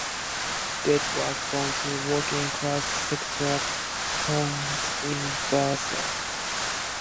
Dede was born to working-class secular parents in Bursa.